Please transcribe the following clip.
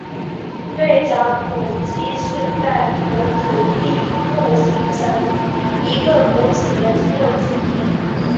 对掌拇肌是在拇指底部形成一个鼓起的肌肉之一。